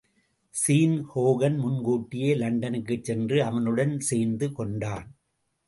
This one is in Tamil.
ஸீன் ஹோகன் முன்கூட்டியே லண்டனுக்குச் சென்று அவனுடன் சேர்ந்து கொண்டான்.